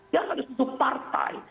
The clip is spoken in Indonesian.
yang ada suatu partai